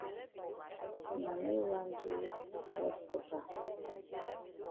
Na me wan do lef for back.